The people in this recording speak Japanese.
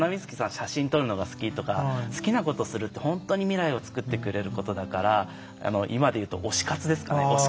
写真撮るのが好きとか好きなことするって本当に未来をつくってくれることだから今で言うと推し活ですかね推し